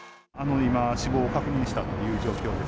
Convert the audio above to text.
今、死亡を確認したという状況です。